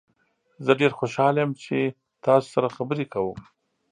زه ډیر خوشحال یم چې تاسو سره خبرې کوم.